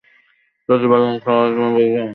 সত্যি বলো, আজ সকালে তুমি ভুলে চলে যাও নি?